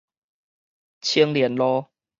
青年路